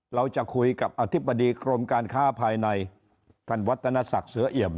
เราจะคุยกับอธิบดีกรมการค้าภายในท่านวัฒนศักดิ์เสือเอี่ยม